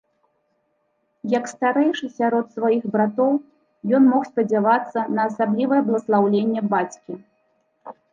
Як старэйшы сярод сваіх братоў, ён мог спадзявацца на асаблівае бласлаўленне бацькі.